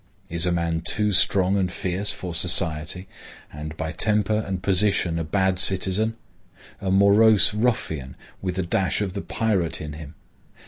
Is a man too strong and fierce for society and by temper and position a bad citizen,—a morose ruffian, with a dash of the pirate in him?